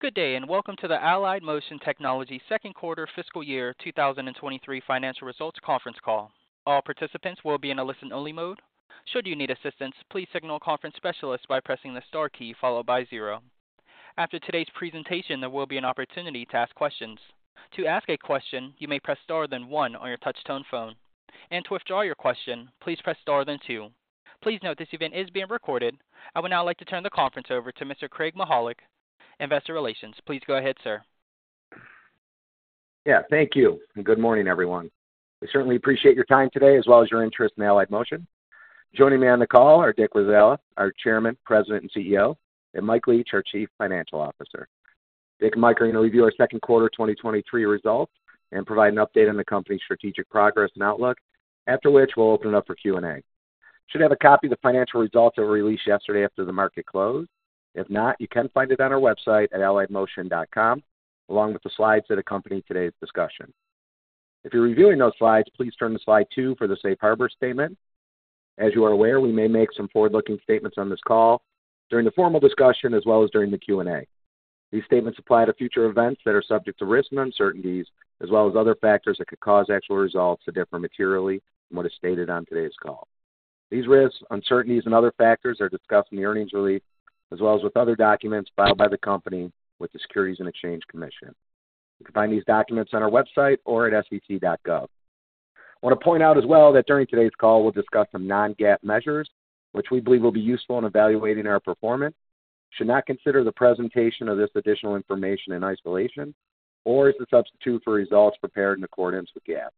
Good day, welcome to the Allied Motion Technologies 2nd quarter fiscal year 2023 financial results conference call. All participants will be in a listen-only mode. Should you need assistance, please signal a conference specialist by pressing the star key followed by 0. After today's presentation, there will be an opportunity to ask questions. To ask a question, you may press star, then 1 on your touch-tone phone, and to withdraw your question, please press star, then 2. Please note, this event is being recorded. I would now like to turn the conference over to Mr. Craig Mihalick, Investor Relations. Please go ahead, sir. Yeah, thank you. Good morning, everyone. We certainly appreciate your time today, as well as your interest in Allied Motion. Joining me on the call are Richard Wazzella, our Chairman, President, and CEO, and Mike Leach, our Chief Financial Officer. Richard and Mike are going to review our second quarter 2023 results and provide an update on the company's strategic progress and outlook. After which, we'll open it up for Q&A. You should have a copy of the financial results that were released yesterday after the market closed. If not, you can find it on our website at alliedmotion.com, along with the slides that accompany today's discussion. If you're reviewing those slides, please turn to slide 2 for the safe harbor statement. As you are aware, we may make some forward-looking statements on this call during the formal discussion as well as during the Q&A. These statements apply to future events that are subject to risks and uncertainties, as well as other factors that could cause actual results to differ materially from what is stated on today's call. These risks, uncertainties, and other factors are discussed in the earnings release, as well as with other documents filed by the company with the Securities and Exchange Commission. You can find these documents on our website or at sec.gov. I want to point out as well that during today's call, we'll discuss some non-GAAP measures, which we believe will be useful in evaluating our performance. You should not consider the presentation of this additional information in isolation or as a substitute for results prepared in accordance with GAAP.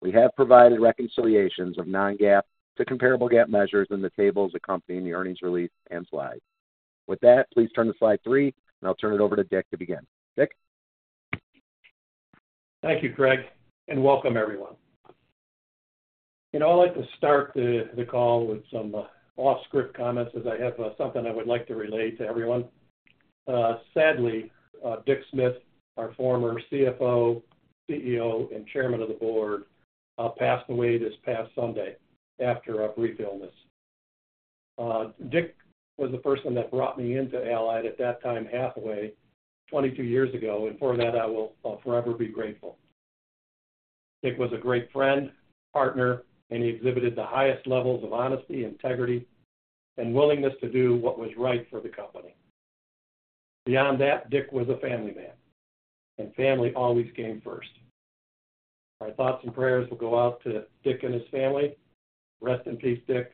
We have provided reconciliations of non-GAAP to comparable GAAP measures in the tables accompanying the earnings release and slides. With that, please turn to slide three, and I'll turn it over to Richard to begin. Richard? Thank you, Craig, and welcome everyone. You know, I'd like to start the call with some off-script comments, as I have something I would like to relate to everyone. Sadly, Richard Smith, our former CFO, CEO, and Chairman of the Board, passed away this past Sunday after a brief illness. Richard was the person that brought me into Allied Motion at that time, Hathaway, 22 years ago, and for that, I will forever be grateful. Richard was a great friend, partner, and he exhibited the highest levels of honesty, integrity, and willingness to do what was right for the company. Beyond that, Richard was a family man, and family always came first. Our thoughts and prayers will go out to Richard and his family. Rest in peace, Richard.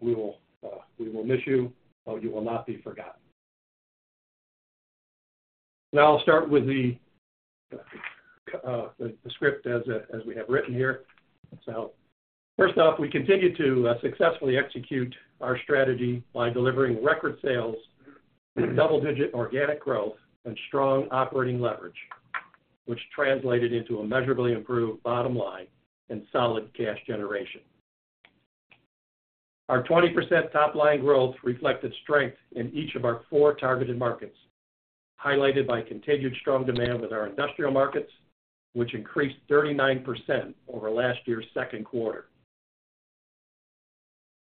We will, we will miss you, but you will not be forgotten. Now I'll start with the script as we have written here. First off, we continued to successfully execute our strategy by delivering record sales with double-digit organic growth and strong operating leverage, which translated into a measurably improved bottom line and solid cash generation. Our 20% top-line growth reflected strength in each of our 4 targeted markets, highlighted by continued strong demand with our industrial markets, which increased 39% over last year's 2Q.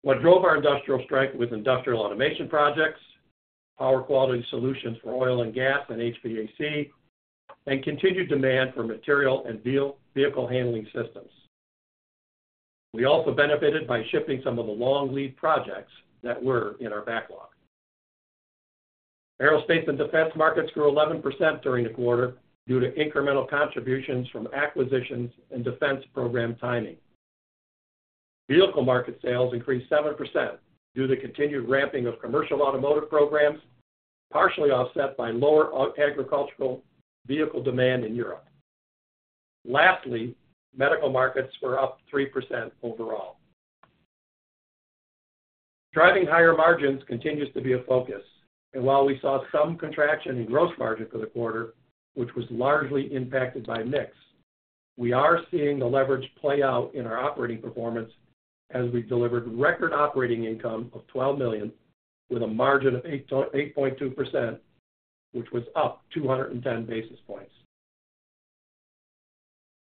What drove our industrial strength was industrial automation projects, power quality solutions for oil and gas and HVAC, and continued demand for material and vehicle handling systems. We also benefited by shifting some of the long lead projects that were in our backlog. Aerospace and Defense markets grew 11% during the quarter due to incremental contributions from acquisitions and Defense program timing. Vehicle market sales increased 7% due to continued ramping of commercial automotive programs, partially offset by lower agricultural vehicle demand in Europe. Lastly, medical markets were up 3% overall. Driving higher margins continues to be a focus. While we saw some contraction in gross margin for the quarter, which was largely impacted by mix, we are seeing the leverage play out in our operating performance as we delivered record operating income of $12 million, with a margin of 8.2%, which was up 210 basis points.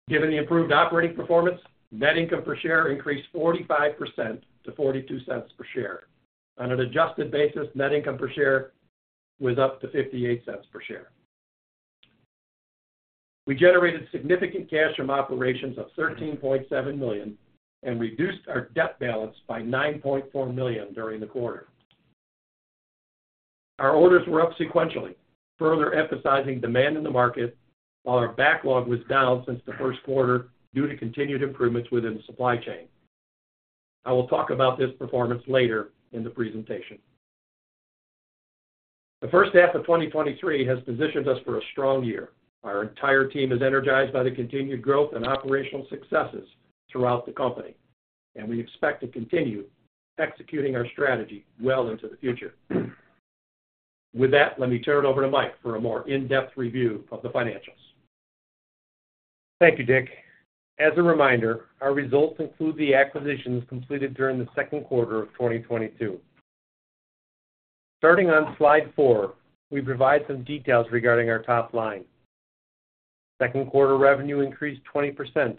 Given the improved operating performance, net income per share increased 45% to $0.42 per share. On an adjusted basis, net income per share was up to $0.58 per share. We generated significant cash from operations of $13.7 million and reduced our debt balance by $9.4 million during the quarter. Our orders were up sequentially, further emphasizing demand in the market, while our backlog was down since the first quarter due to continued improvements within the supply chain. I will talk about this performance later in the presentation. The first half of 2023 has positioned us for a strong year. Our entire team is energized by the continued growth and operational successes throughout the company, and we expect to continue executing our strategy well into the future. With that, let me turn it over to Mike for a more in-depth review of the financials. Thank you, Richard. As a reminder, our results include the acquisitions completed during the second quarter of 2022. Starting on slide 4, we provide some details regarding our top line. Second quarter revenue increased 20%,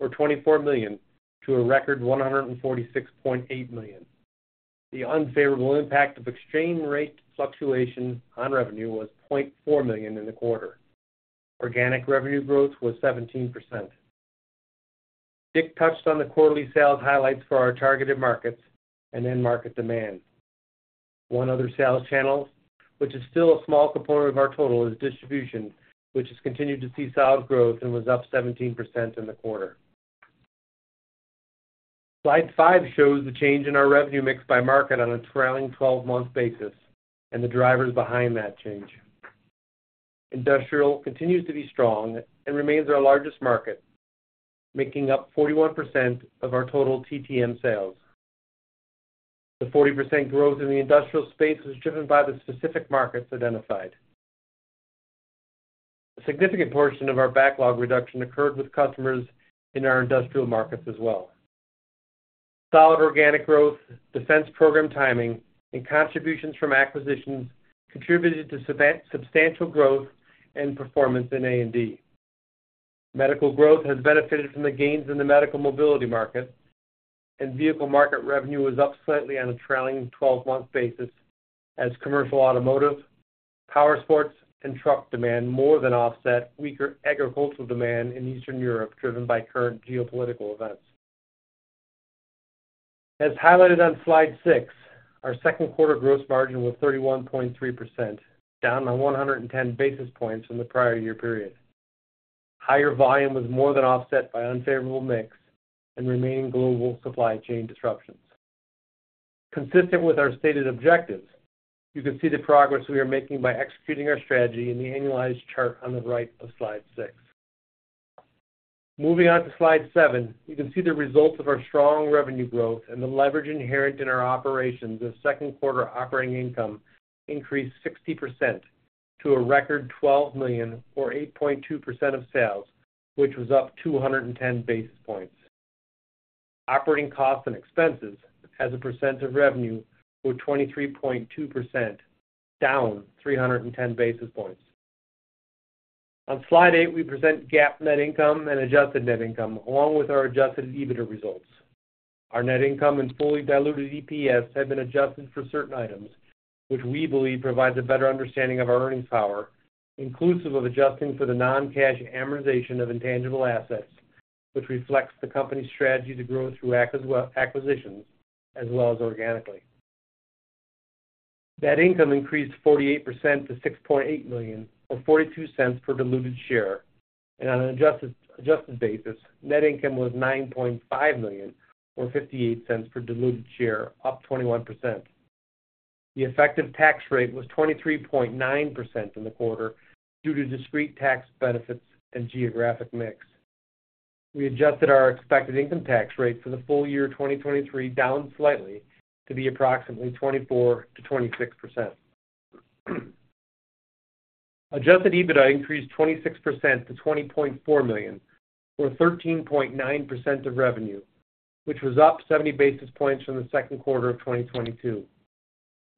or $24 million, to a record $146.8 million. The unfavorable impact of exchange rate fluctuation on revenue was $0.4 million in the quarter. Organic revenue growth was 17%. Richard touched on the quarterly sales highlights for our targeted markets and end market demand. One other sales channel, which is still a small component of our total, is distribution, which has continued to see solid growth and was up 17% in the quarter. Slide 5 shows the change in our revenue mix by market on a trailing 12-month basis and the drivers behind that change. Industrial continues to be strong and remains our largest market, making up 41% of our total TTM sales. The 40% growth in the industrial space was driven by the specific markets identified. A significant portion of our backlog reduction occurred with customers in our industrial markets as well. Solid organic growth, defense program timing, and contributions from acquisitions contributed to substantial growth and performance in A&D. Medical growth has benefited from the gains in the medical mobility market, and vehicle market revenue was up slightly on a trailing 12-month basis as commercial, automotive, power sports, and truck demand more than offset weaker agricultural demand in Eastern Europe, driven by current geopolitical events. As highlighted on slide six, our second quarter gross margin was 31.3%, down by 110 basis points from the prior year period. Higher volume was more than offset by unfavorable mix and remaining global supply chain disruptions. Consistent with our stated objectives, you can see the progress we are making by executing our strategy in the annualized chart on the right of slide 6. Moving on to slide 7, you can see the results of our strong revenue growth and the leverage inherent in our operations as second quarter operating income increased 60% to a record $12 million, or 8.2% of sales, which was up 210 basis points. Operating costs and expenses as a percent of revenue were 23.2%, down 310 basis points. On slide 8, we present GAAP net income and adjusted net income, along with our Adjusted EBITDA results. Our net income and fully diluted EPS have been adjusted for certain items, which we believe provides a better understanding of our earnings power, inclusive of adjusting for the non-cash amortization of intangible assets, which reflects the company's strategy to grow through acqui- acquisitions as well as organically. Net income increased 48% to $6.8 million, or $0.42 per diluted share. On an adjusted, adjusted basis, net income was $9.5 million, or $0.58 per diluted share, up 21%. The effective tax rate was 23.9% in the quarter due to discrete tax benefits and geographic mix. We adjusted our expected income tax rate for the full year 2023 down slightly to be approximately 24%-26%. Adjusted EBITDA increased 26% to $20.4 million, or 13.9% of revenue, which was up 70 basis points from the second quarter of 2022.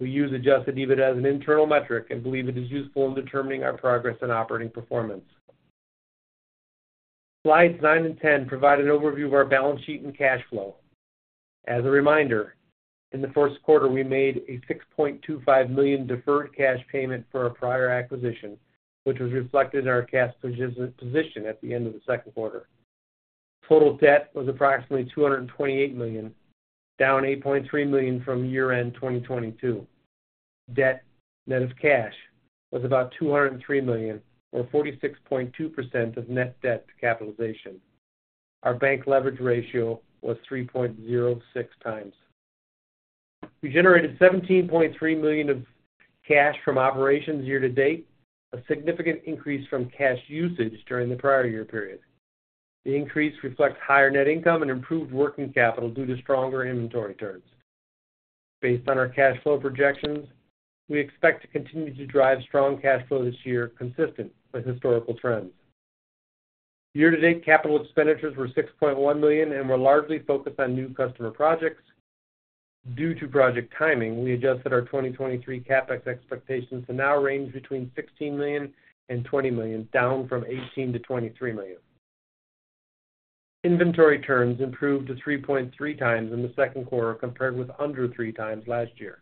We use Adjusted EBITDA as an internal metric and believe it is useful in determining our progress and operating performance. Slides 9 and 10 provide an overview of our balance sheet and cash flow. As a reminder, in the first quarter, we made a $6.25 million deferred cash payment for a prior acquisition, which was reflected in our cash position at the end of the second quarter. Total debt was approximately $228 million, down $8.3 million from year-end 2022. Debt net of cash was about $203 million, or 46.2% of net debt to capitalization. Our bank leverage ratio was 3.06 times. We generated $17.3 million of cash from operations year to date, a significant increase from cash usage during the prior year period. The increase reflects higher net income and improved working capital due to stronger inventory turns. Based on our cash flow projections, we expect to continue to drive strong cash flow this year, consistent with historical trends. Year to date, capital expenditures were $6.1 million and were largely focused on new customer projects. Due to project timing, we adjusted our 2023 CapEx expectations to now range between $16 million-$20 million, down from $18 million-$23 million. Inventory turns improved to 3.3 times in the second quarter, compared with under 3 times last year.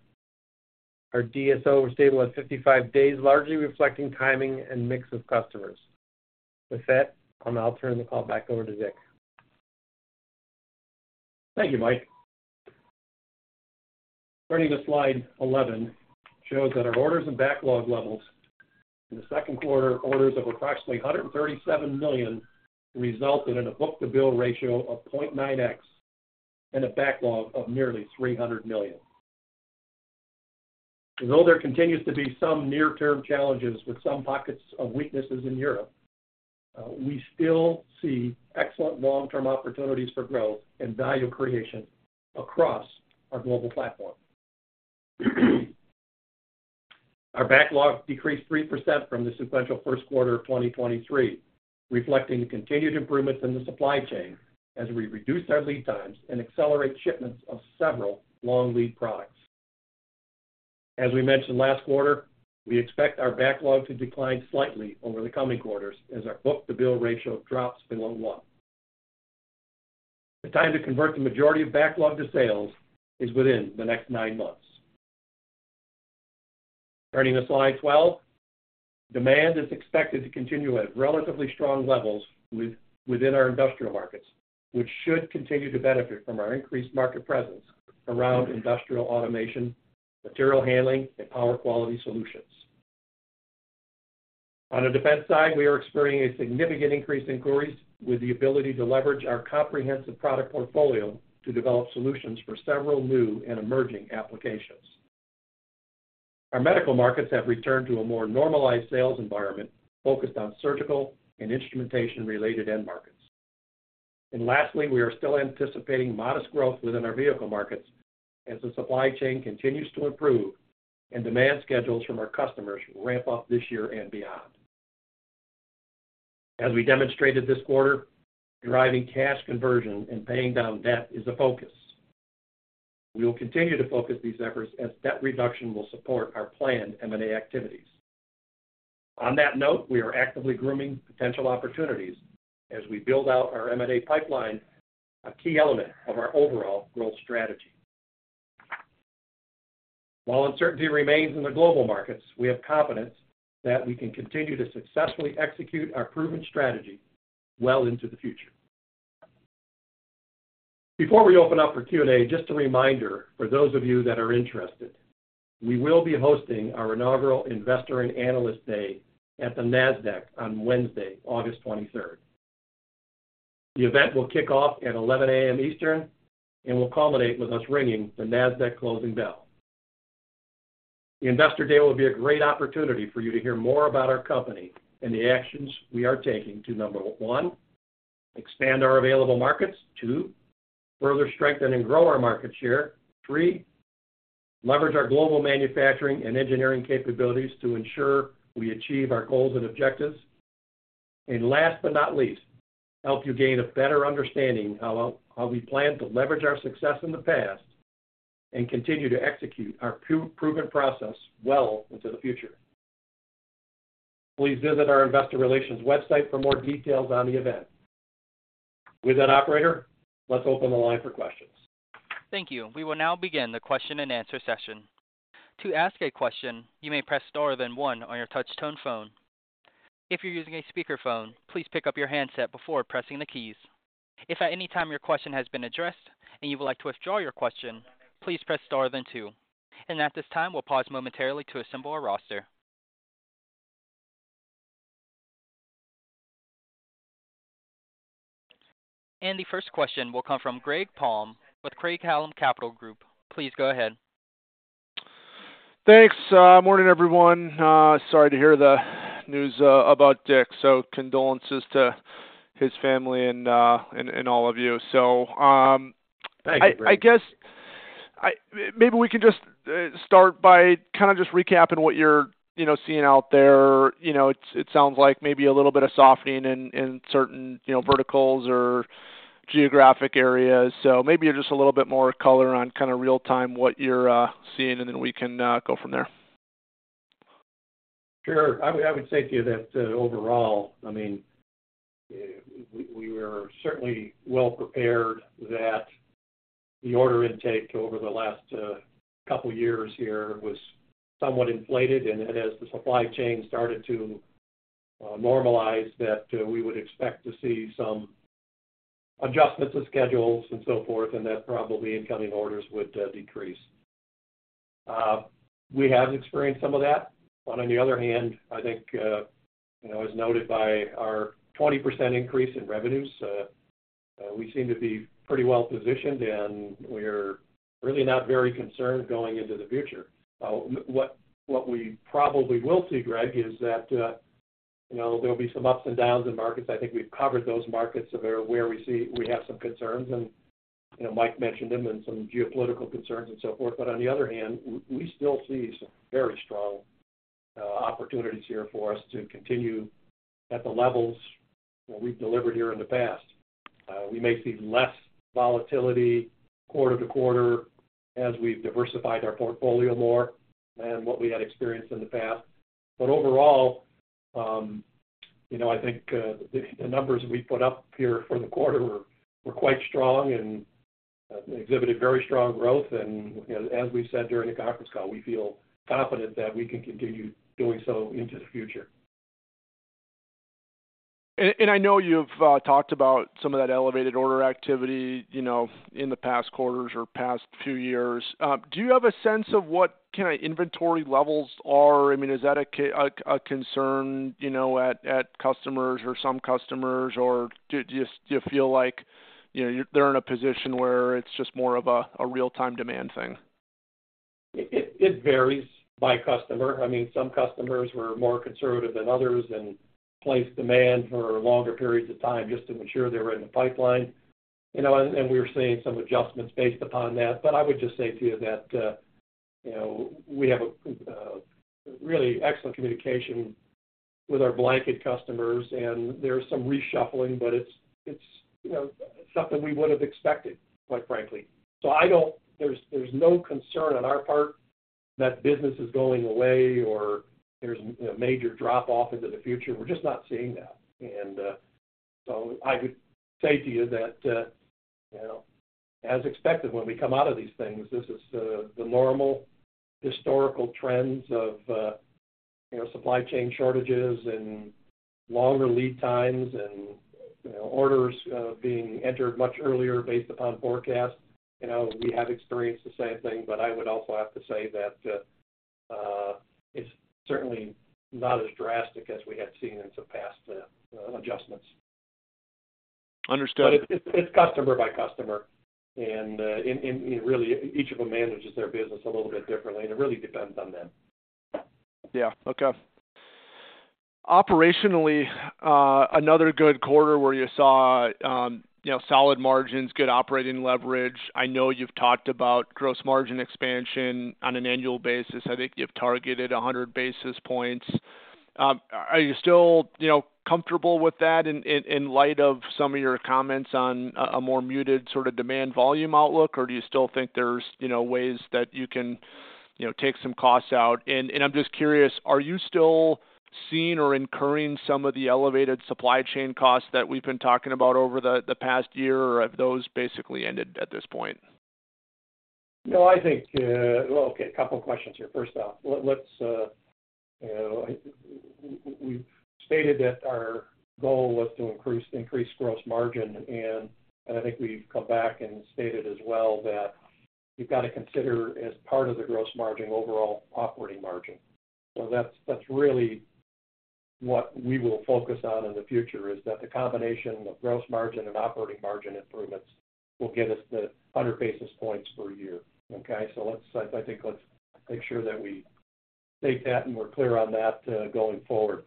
Our DSO was stable at 55 days, largely reflecting timing and mix of customers. With that, I'll now turn the call back over to Richard. Thank you, Mike. Turning to slide 11, shows that our orders and backlog levels in the second quarter, orders of approximately $137 million, resulted in a book-to-bill ratio of 0.9x and a backlog of nearly $300 million. Although there continues to be some near-term challenges with some pockets of weaknesses in Europe, we still see excellent long-term opportunities for growth and value creation across our global platform. Our backlog decreased 3% from the sequential first quarter of 2023, reflecting the continued improvements in the supply chain as we reduce our lead times and accelerate shipments of several long lead products. As we mentioned last quarter, we expect our backlog to decline slightly over the coming quarters as our book-to-bill ratio drops below 1. The time to convert the majority of backlog to sales is within the next 9 months. Turning to slide 12, demand is expected to continue at relatively strong levels within our industrial markets, which should continue to benefit from our increased market presence around industrial automation, material handling, and power quality solutions. On the defense side, we are experiencing a significant increase in queries with the ability to leverage our comprehensive product portfolio to develop solutions for several new and emerging applications. Our medical markets have returned to a more normalized sales environment focused on surgical and instrumentation-related end markets. Lastly, we are still anticipating modest growth within our vehicle markets as the supply chain continues to improve and demand schedules from our customers ramp up this year and beyond. As we demonstrated this quarter, driving cash conversion and paying down debt is a focus. We will continue to focus these efforts as debt reduction will support our planned M&A activities. On that note, we are actively grooming potential opportunities as we build out our M&A pipeline, a key element of our overall growth strategy. While uncertainty remains in the global markets, we have confidence that we can continue to successfully execute our proven strategy well into the future. Before we open up for Q&A, just a reminder for those of you that are interested, we will be hosting our inaugural Investor and Analyst Day at the NASDAQ on Wednesday, August 23rd. The event will kick off at 11:00 A.M. Eastern and will culminate with us ringing the NASDAQ closing bell. The Investor Day will be a great opportunity for you to hear more about our company and the actions we are taking to, 1, expand our available markets. 2, further strengthen and grow our market share. 3, leverage our global manufacturing and engineering capabilities to ensure we achieve our goals and objectives. Last but not least, help you gain a better understanding of how we plan to leverage our success in the past and continue to execute our proven process well into the future. Please visit our investor relations website for more details on the event. With that, operator, let's open the line for questions. Thank you. We will now begin the question-and-answer session. To ask a question, you may press star then 1 on your touch tone phone. If you're using a speakerphone, please pick up your handset before pressing the keys. If at any time your question has been addressed and you would like to withdraw your question, please press star then 2. At this time, we'll pause momentarily to assemble our roster. The first question will come from Greg Palm with Craig-Hallum Capital Group. Please go ahead. Thanks. Morning, everyone. Sorry to hear the news, about Richard. Condolences to his family and, and all of you. Thank you, Greg. I, I guess I. Maybe we can just start by kind of just recapping what you're, you know, seeing out there. You know, it, it sounds like maybe a little bit of softening in, in certain, you know, verticals or geographic areas. Maybe just a little bit more color on kind of real time, what you're seeing, and then we can go from there. Sure. I would, I would say to you that overall, I mean, we, we were certainly well prepared, that the order intake over the last, couple years here was somewhat inflated. As the supply chain started to, normalize, that, we would expect to see some adjustments to schedules and so forth, and that probably incoming orders would, decrease. We have experienced some of that. On the other hand, I think, you know, as noted by our 20% increase in revenues, we seem to be pretty well positioned, and we're really not very concerned going into the future. What, what we probably will see, Greg, is that, you know, there'll be some ups and downs in markets. I think we've covered those markets where we see we have some concerns, and, you know, Mike mentioned them and some geopolitical concerns and so forth. On the other hand, we still see some very strong opportunities here for us to continue at the levels that we've delivered here in the past. We may see less volatility quarter to quarter as we've diversified our portfolio more than what we had experienced in the past. Overall, you know, I think, the, the numbers we put up here for the quarter were quite strong and exhibited very strong growth. As we said during the conference call, we feel confident that we can continue doing so into the future. I know you've talked about some of that elevated order activity, you know, in the past quarters or past few years. Do you have a sense of what kind of inventory levels are? I mean, is that a concern, you know, at, at customers or some customers, or do you, do you feel like, you know, they're in a position where it's just more of a, a real-time demand thing? It varies by customer. I mean, some customers were more conservative than others and placed demand for longer periods of time just to ensure they were in the pipeline, you know, and we were seeing some adjustments based upon that. I would just say to you that, you know, we have a really excellent communication with our blanket customers, and there's some reshuffling, but it's, you know, something we would have expected, quite frankly. There's no concern on our part that business is going away or there's a major drop-off into the future. We're just not seeing that. I would say to you that, you know, as expected, when we come out of these things, this is the normal historical trends of, you know, supply chain shortages and longer lead times and, you know, orders being entered much earlier based upon forecast. You know, we have experienced the same thing, I would also have to say that it's certainly not as drastic as we had seen in some past adjustments. Understood. It's, it's customer by customer, and, and, and really, each of them manages their business a little bit differently, and it really depends on them. Yeah. Okay. Operationally, another good quarter where you saw, you know, solid margins, good operating leverage. I know you've talked about gross margin expansion on an annual basis. I think you've targeted 100 basis points. Are you still, you know, comfortable with that in, in, in light of some of your comments on a, a more muted sort of demand volume outlook, or do you still think there's, you know, ways that you can, you know, take some costs out? I'm just curious, are you still seeing or incurring some of the elevated supply chain costs that we've been talking about over the past year, or have those basically ended at this point? No, I think. Well, okay, a couple of questions here. First off, let, let's, you know, we've stated that our goal was to increase, increase gross margin, and I think we've come back and stated as well that you've got to consider, as part of the gross margin, overall operating margin. That's, that's really what we will focus on in the future, is that the combination of gross margin and operating margin improvements will get us the 100 basis points per year, okay? Let's, I, I think, let's make sure that we take that, and we're clear on that, going forward.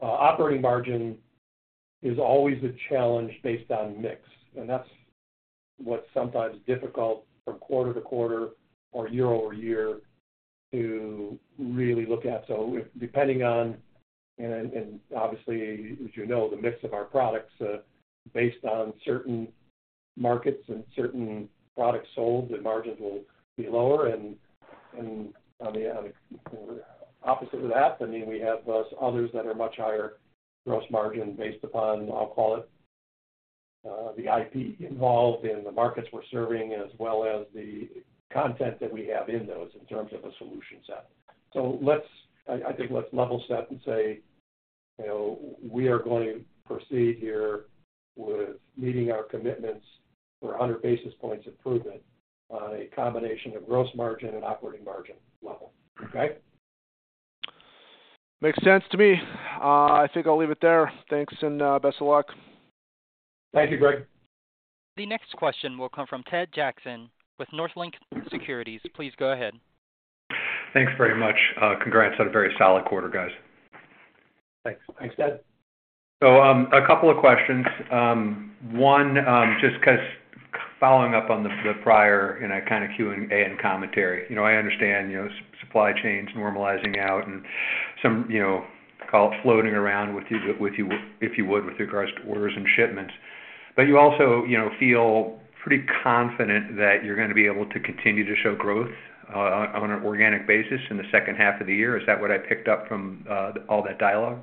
Operating margin is always a challenge based on mix, and that's what's sometimes difficult from quarter to quarter or year-over-year to really look at. Depending on, and, and obviously, as you know, the mix of our products, based on certain markets and certain products sold, the margins will be lower. And on the, on the opposite of that, I mean, we have those others that are much higher gross margin based upon, I'll call it, the IP involved in the markets we're serving, as well as the content that we have in those in terms of a solution set. Let's, I, I think let's level set and say, you know, we are going to proceed here with meeting our commitments for 100 basis points improvement on a combination of gross margin and operating margin level. Okay? Makes sense to me. I think I'll leave it there. Thanks, and, best of luck. Thank you, Greg. The next question will come from Ted Jackson with Northland Securities. Please go ahead. Thanks very much. Congrats on a very solid quarter, guys. Thanks. Thanks, Ted. A couple of questions. One, just 'cause following up on the, the prior, you know, kind of Q&A and commentary. You know, I understand, you know, supply chains normalizing out and some, you know, call it floating around with you, if you would, with regards to orders and shipments. You also, you know, feel pretty confident that you're going to be able to continue to show growth on an organic basis in the second half of the year. Is that what I picked up from all that dialogue?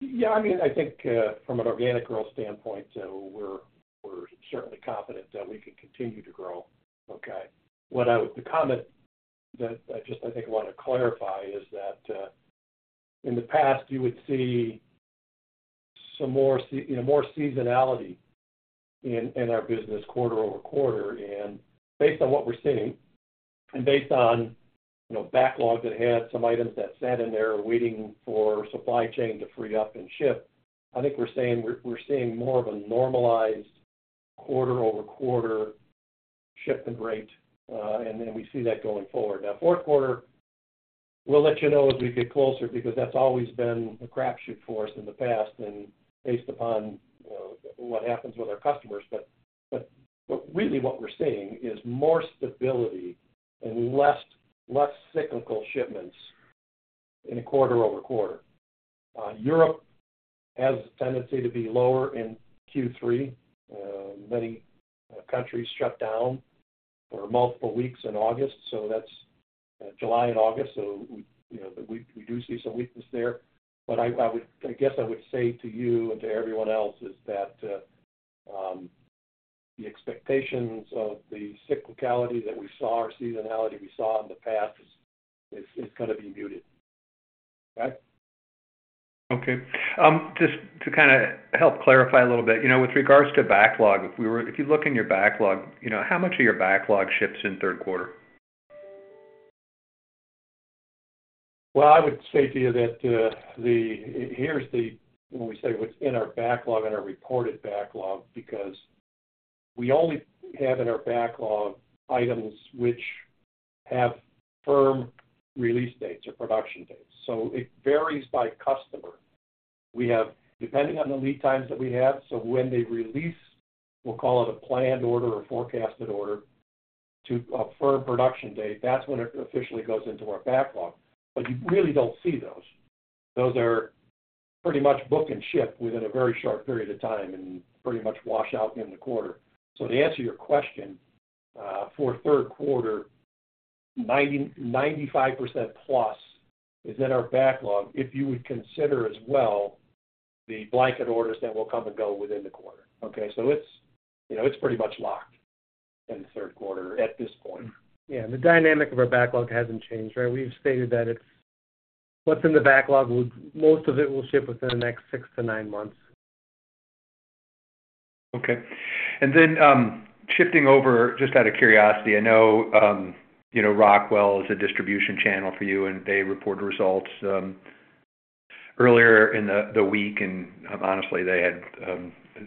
Yeah. I mean, I think, from an organic growth standpoint, we're, we're certainly confident that we can continue to grow. Okay. What I would... The comment that I just, I think I want to clarify is that, in the past, you would see some more seasonality in our business quarter-over-quarter. Based on what we're seeing and based on, you know, backlog that had some items that sat in there waiting for supply chain to free up and ship, I think we're saying we're, we're seeing more of a normalized quarter-over-quarter shipping rate, and then we see that going forward. Now, fourth quarter, we'll let you know as we get closer because that's always been a crap shoot for us in the past and based upon, you know, what happens with our customers. Really what we're seeing is more stability and less, less cyclical shipments in a quarter-over-quarter. Europe has a tendency to be lower in Q3. Many countries shut down for multiple weeks in August, so that's July and August, so, you know, we do see some weakness there. I guess I would say to you and to everyone else is that the expectations of the cyclicality that we saw or seasonality we saw in the past is gonna be muted. Okay? Okay. Just to kind of help clarify a little bit, you know, with regards to backlog, if you look in your backlog, you know, how much of your backlog ships in third quarter? Well, I would say to you that, Here's when we say what's in our backlog and our reported backlog, because we only have in our backlog items which have firm release dates or production dates. It varies by customer. We have, depending on the lead times that we have, when they release, we'll call it a planned order or forecasted order, to a firm production date, that's when it officially goes into our backlog. You really don't see those. Those are pretty much book and ship within a very short period of time and pretty much wash out in the quarter. To answer your question, for third quarter, 90-95% plus is in our backlog, if you would consider as well, the blanket orders that will come and go within the quarter, okay? It's, you know, it's pretty much locked in the third quarter at this point. Yeah, the dynamic of our backlog hasn't changed, right? We've stated that it's what's in the backlog, most of it will ship within the next six to nine months. Okay. Then, shifting over, just out of curiosity, I know, you know, Rockwell is a distribution channel for you, and they reported results earlier in the week, and honestly, they had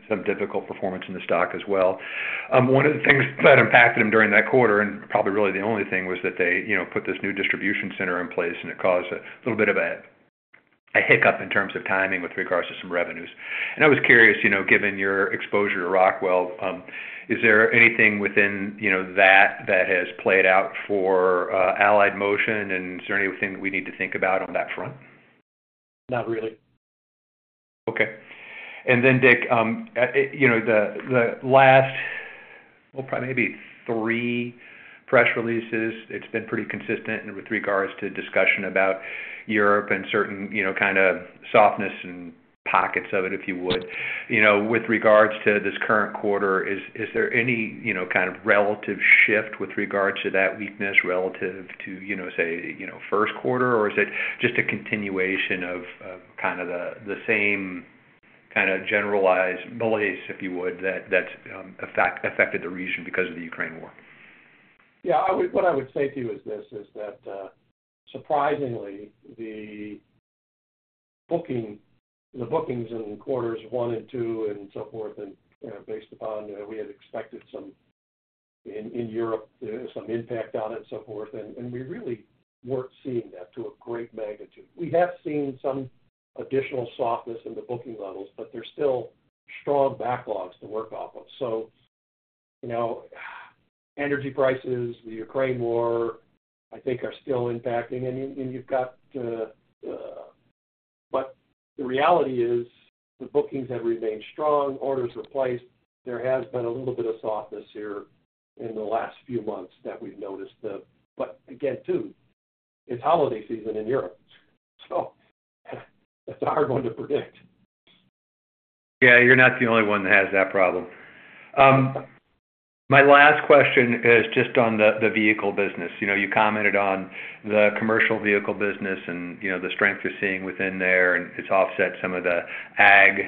some difficult performance in the stock as well. One of the things that impacted them during that quarter, and probably really the only thing, was that they, you know, put this new distribution center in place, and it caused a little bit of a hiccup in terms of timing with regards to some revenues. I was curious, you know, given your exposure to Rockwell, is there anything within, you know, that, that has played out for Allied Motion, and is there anything that we need to think about on that front? Not really. Okay. Richard, you know, the, the last, well, probably maybe three press releases, it's been pretty consistent with regards to discussion about Europe and certain, you know, kind of softness and pockets of it, if you would. You know, with regards to this current quarter, is, is there any, you know, kind of relative shift with regards to that weakness relative to, you know, say, you know, first quarter? Or is it just a continuation of, of kind of the, the same kind of generalized malaise, if you would, that, that affected the region because of the Ukraine war? Yeah, I would -- what I would say to you is this, is that, surprisingly, the booking, the bookings in quarters one and two and so forth, and, you know, based upon, we had expected some in, in Europe, some impact on it and so forth, and, and we really weren't seeing that to a great magnitude. We have seen some additional softness in the booking levels, but there's still strong backlogs to work off of. You know, energy prices, the Ukraine war, I think are still impacting, and, and you've got... The reality is, the bookings have remained strong, orders are placed. There has been a little bit of softness here in the last few months that we've noticed. Again, too, it's holiday season in Europe, so it's a hard one to predict. Yeah, you're not the only one that has that problem. My last question is just on the, the vehicle business. You know, you commented on the commercial vehicle business and, you know, the strength you're seeing within there, and it's offset some of the ag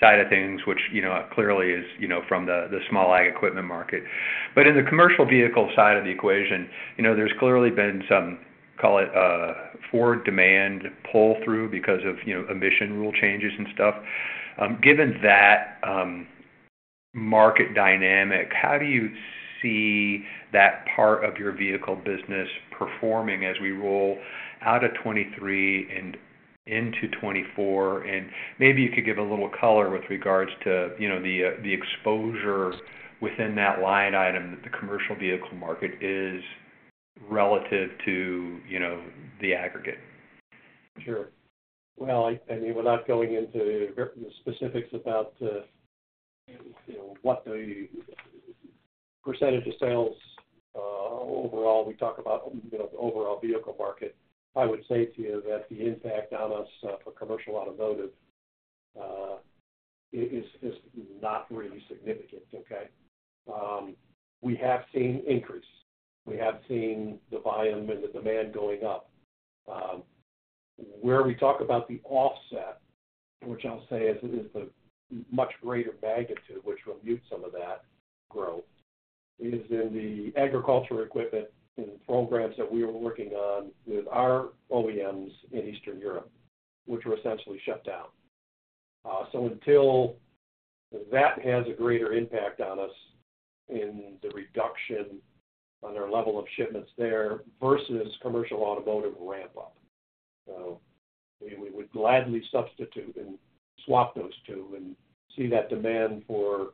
side of things, which, you know, clearly is, you know, from the, the small ag equipment market. In the commercial vehicle side of the equation, you know, there's clearly been some, call it, forward demand pull-through because of, you know, emission rule changes and stuff. Given that, market dynamic, how do you see that part of your vehicle business performing as we roll out of 2023 and into 2024? Maybe you could give a little color with regards to, you know, the, the exposure within that line item, that the commercial vehicle market is relative to, you know, the aggregate. Sure. Well, I, I mean, without going into the specifics about, you know, what the % of sales overall, we talk about, you know, the overall vehicle market. I would say to you that the impact on us for commercial automotive is not really significant, okay? We have seen increase. We have seen the volume and the demand going up. Where we talk about the offset, which I'll say is, is the much greater magnitude, which will mute some of that growth, is in the agricultural equipment and programs that we were working on with our OEMs in Eastern Europe, which were essentially shut down. Until that has a greater impact on us in the reduction on our level of shipments there versus commercial automotive ramp up. We, we would gladly substitute and swap those two and see that demand for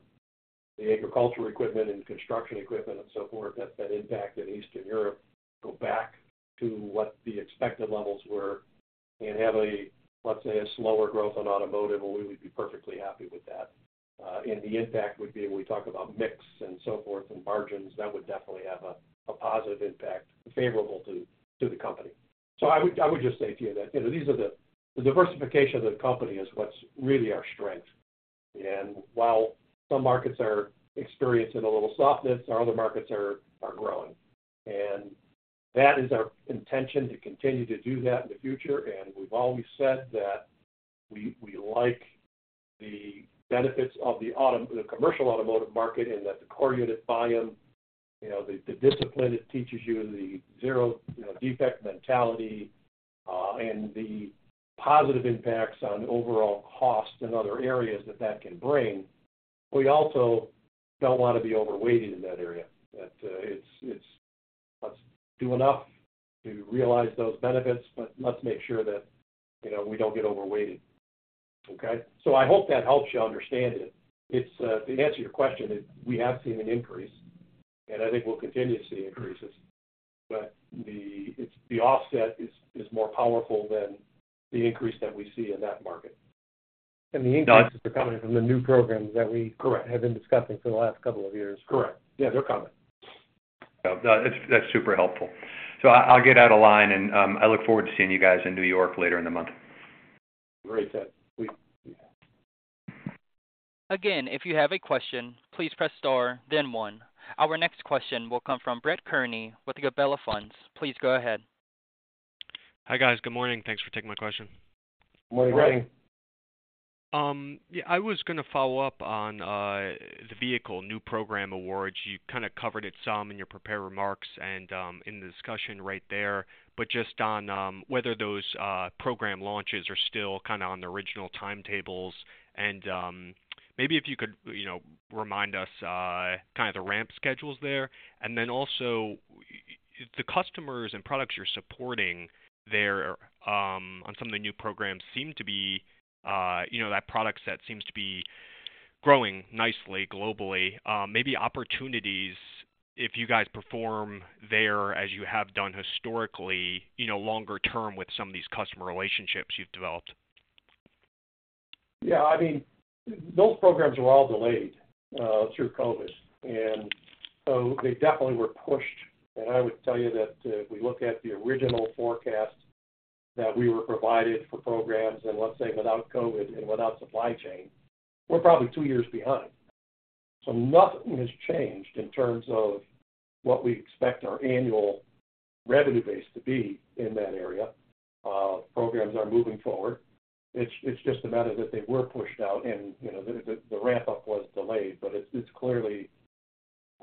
the agricultural equipment and construction equipment and so forth, that, that impact in Eastern Europe, go back to what the expected levels were and have a, let's say, a slower growth on automotive, and we would be perfectly happy with that. The impact would be, when we talk about mix and so forth and margins, that would definitely have a, a positive impact favorable to, to the company. I would, I would just say to you that, you know, these are the diversification of the company is what's really our strength. While some markets are experiencing a little softness, our other markets are, are growing. That is our intention, to continue to do that in the future. We've always said that we, we like the benefits of the commercial automotive market, and that the core unit volume, you know, the, the discipline it teaches you, the zero, you know, defect mentality, and the positive impacts on overall cost and other areas that that can bring. We also don't want to be overweighted in that area. That, let's do enough to realize those benefits, but let's make sure that, you know, we don't get overweighted, okay? I hope that helps you understand it. It's, to answer your question, is we have seen an increase, and I think we'll continue to see increases, but the, it's, the offset is, is more powerful than the increase that we see in that market. The increases are coming from the new programs. Correct. have been discussing for the last couple of years. Correct. Yeah, they're coming. That's, that's super helpful. I, I'll get out of line, and I look forward to seeing you guys in New York later in the month. Great, Ted. Again, if you have a question, please press Star, then 1. Our next question will come from Brett Kearney with the Gabelli Funds. Please go ahead. Hi, guys. Good morning. Thanks for taking my question. Good morning. Morning. Yeah, I was gonna follow up on the vehicle new program awards. You kind of covered it some in your prepared remarks and in the discussion right there, but just on whether those program launches are still kind of on the original timetables. Maybe if you could, you know, remind us kind of the ramp schedules there. The customers and products you're supporting there on some of the new programs seem to be, you know, that product set seems to be growing nicely globally. Maybe opportunities if you guys perform there as you have done historically, you know, longer term with some of these customer relationships you've developed. Yeah, I mean, those programs were all delayed, through COVID, they definitely were pushed. I would tell you that, if we look at the original forecast that we were provided for programs and let's say, without COVID and without supply chain, we're probably two years behind. Nothing has changed in terms of what we expect our annual revenue base to be in that area. Programs are moving forward. It's, it's just a matter that they were pushed out and, you know, the, the, the ramp-up was delayed, but it's, it's clearly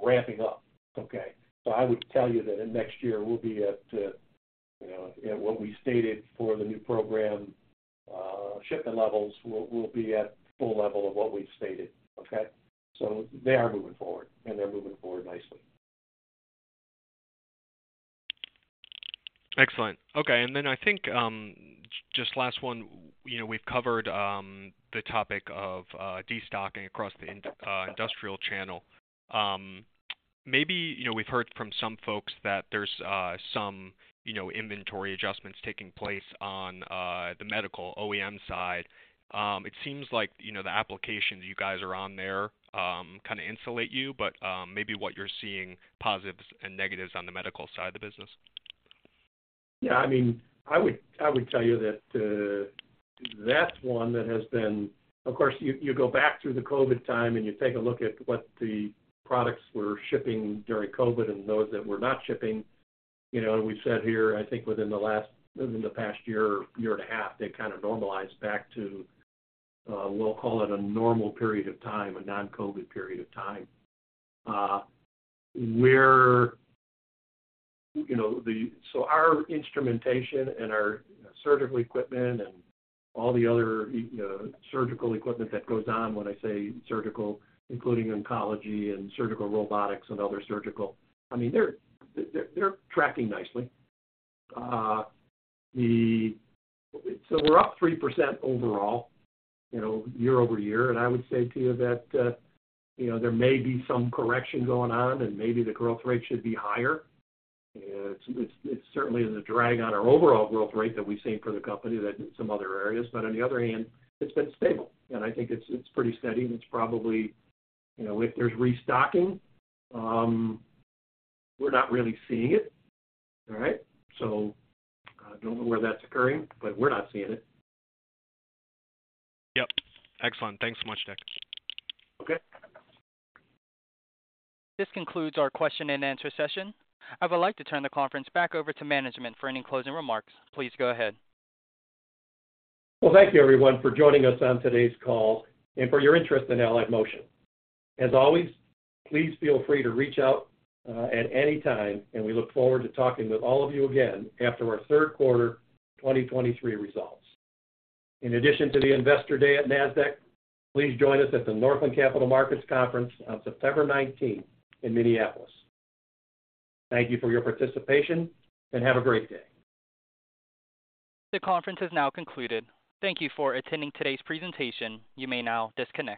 ramping up, okay. I would tell you that in next year, we'll be at, you know, at what we stated for the new program, shipping levels will, will be at full level of what we've stated, okay. They are moving forward, and they're moving forward nicely. Excellent. Okay, and then I think, just last one, you know, we've covered, the topic of, destocking across the industrial channel. Maybe, you know, we've heard from some folks that there's, some, you know, inventory adjustments taking place on, the medical OEM side. It seems like, you know, the applications you guys are on there, kind of insulate you, but, maybe what you're seeing positives and negatives on the medical side of the business? Yeah, I mean, I would, I would tell you that, that's one that has been... Of course, you, you go back through the COVID time, and you take a look at what the products were shipping during COVID and those that were not shipping. You know, we said here, I think within the last, within the past year, year and a half, they kind of normalized back to, we'll call it a normal period of time, a non-COVID period of time. We're, you know, So our instrumentation and our surgical equipment and all the other, surgical equipment that goes on, when I say surgical, including oncology and surgical robotics and other surgical, I mean, they're, they're, they're tracking nicely. We're up 3% overall, you know, year-over-year. I would say to you that, you know, there may be some correction going on, and maybe the growth rate should be higher. It's, it's certainly the drag on our overall growth rate that we've seen for the company than some other areas. On the other hand, it's been stable, and I think it's, it's pretty steady, and it's probably, you know, if there's restocking, we're not really seeing it. All right? I don't know where that's occurring, but we're not seeing it. Yep. Excellent. Thanks so much, Nick. Okay. This concludes our question and answer session. I would like to turn the conference back over to management for any closing remarks. Please go ahead. Well, thank you, everyone, for joining us on today's call and for your interest in Allied Motion. As always, please feel free to reach out at any time. We look forward to talking with all of you again after our third quarter 2023 results. In addition to the Investor Day at NASDAQ, please join us at the Northland Capital Markets Conference on September 19th in Minneapolis. Thank you for your participation. Have a great day. The conference is now concluded. Thank you for attending today's presentation. You may now disconnect.